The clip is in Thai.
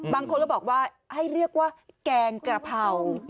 บางคนก็บอกว่าให้เรียกว่าแกงกระเพรา